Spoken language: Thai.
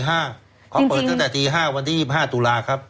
เขาเปิดตั้งแต่ตี๕วันที่๒๕ตุลาครับ